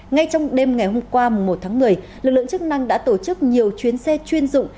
ngay trong đêm ngày hôm qua một tháng một mươi lực lượng chức năng đã tổ chức nhiều chuyến xe chuyên dụng